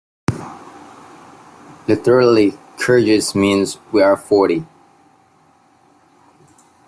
Literally, Kyrgyz means "We are forty".